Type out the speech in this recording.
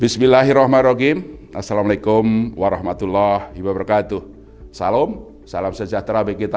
bismillahirrahmanirrahim assalamualaikum warahmatullahi wabarakatuh salam salam sejahtera bagi kita